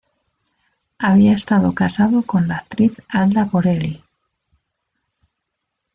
Había estado casado con la actriz Alda Borelli.